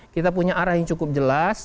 kita punya arah yang cukup jelas